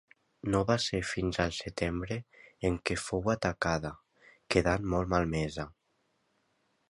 No va ser fins al setembre en què fou atacada, quedant molt malmesa.